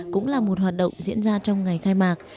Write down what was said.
cũng là một hoạt động diễn ra trong ngày khai mạc